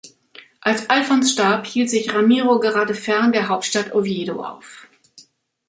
Als Alfons starb, hielt sich Ramiro gerade fern der Hauptstadt Oviedo auf.